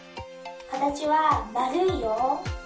かたちはまるいよ。